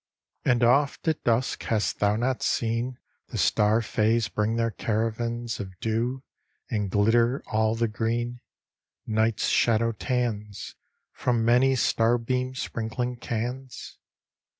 And oft at dusk hast thou not seen The star fays bring their caravans Of dew, and glitter all the green, Night's shadow tans, From many starbeam sprinkling cans?